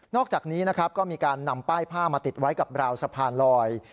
อกจากนี้นะครับก็มีการนำป้ายผ้ามาติดไว้กับราวสะพานลอย